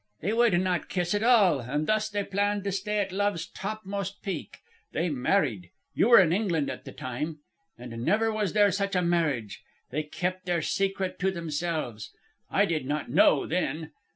They would not kiss at all, and thus they planned to stay at Love's topmost peak. They married. You were in England at the time. And never was there such a marriage. They kept their secret to themselves. I did not know, then.